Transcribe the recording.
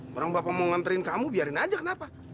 barang bapak mau nganterin kamu biarin aja kenapa